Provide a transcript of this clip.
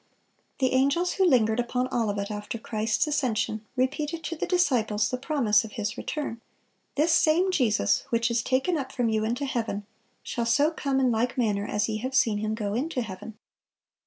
(457) The angels who lingered upon Olivet after Christ's ascension, repeated to the disciples the promise of His return: "This same Jesus, which is taken up from you into heaven, shall so come in like manner as ye have seen Him go into heaven."